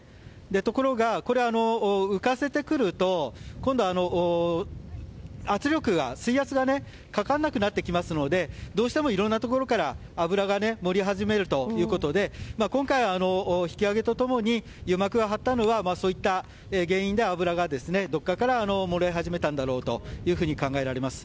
ところが、浮かせてくると今度は水圧がかからなくなってきますのでどうしてもいろんなところから油が漏れ始めるということで今回、引き揚げと共に油膜が張ったのはそういった原因で油がどこかから漏れ始めたんだろうと考えられます。